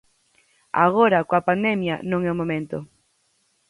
Agora, coa pandemia, non é o momento.